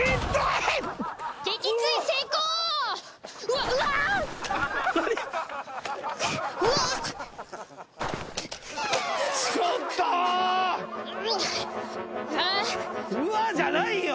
「うわっ」じゃないよ。